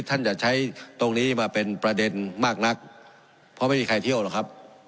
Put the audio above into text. ท่านอย่าใช้ตรงนี้มาเป็นประเด็นมากนักเพราะไม่มีใครเที่ยวหรอกครับ